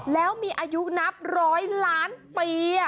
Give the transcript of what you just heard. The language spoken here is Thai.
แล้วมีอายุนับร้อยล้านปี